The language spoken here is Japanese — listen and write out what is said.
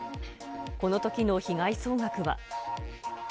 このときの被害総額は。